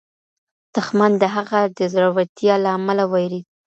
دښمن د هغه د زړورتیا له امله وېرېد.